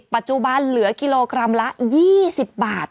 ปัจจุบันเหลือกิโลกรัมละ๒๐บาท